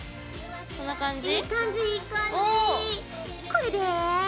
これで。